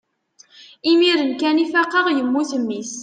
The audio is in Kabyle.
imir-n kan i faqeɣ yemmut mmi-s